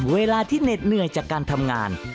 เวลาที่เหน็ดเหนื่อยจากการทำงาน